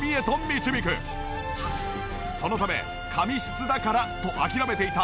そのため髪質だからと諦めていた